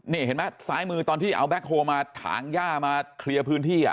นี่เห็นไหมซ้ายมือตอนที่เอาแก๊คโฮลมาถางย่ามาเคลียร์พื้นที่